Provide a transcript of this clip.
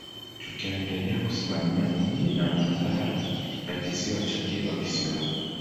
Tutaendelea kusimamia mji na mandhari ya Kisiwa cha Kilwa Kisiwani